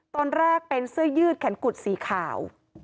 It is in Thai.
ตอนแรกเป็นเสื้อยืดแขนกุดสีขาว